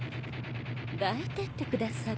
抱いて行ってくださる？